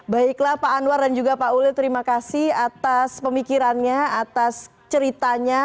baiklah pak anwar dan juga pak ulil terima kasih atas pemikirannya atas ceritanya